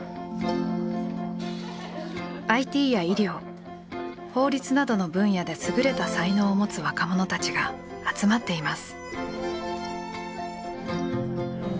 ＩＴや医療法律などの分野で優れた才能を持つ若者たちが集まっています。